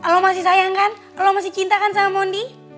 lo masih sayang kan kalau masih cinta kan sama mondi